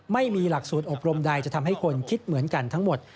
ไม่มีหลักสูตรอบรมใดจะทำให้คนคิดเหมือนกันทั้งหมด